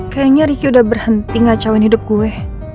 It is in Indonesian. kayaknya ricky udah berhenti ngacauin hidup gue